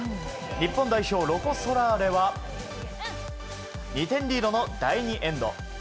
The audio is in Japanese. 日本代表ロコ・ソラーレは２点リードの第２エンド。